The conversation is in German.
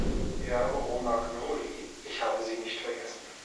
Herr Romagnoli, ich habe Sie nicht vergessen.